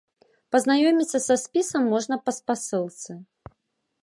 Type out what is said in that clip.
Пазнаёміцца са спісам можна па спасылцы.